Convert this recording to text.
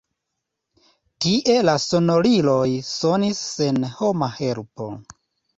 Tie la sonoriloj sonis sen homa helpo.